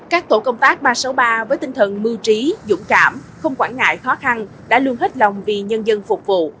các tổ công tác ba trăm sáu mươi ba với tinh thần mưu trí dũng cảm không quản ngại khó khăn đã luôn hết lòng vì nhân dân phục vụ